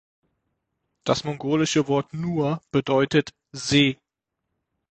Das mongolische Wort "nuur" bedeutet „See“.